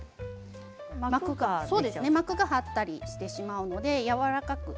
膜が張ったりしてしまうのでやわらかく。